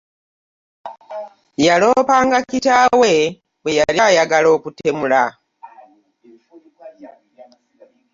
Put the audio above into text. Yaloopa nga kitaawe bweyali ayagala okutemula .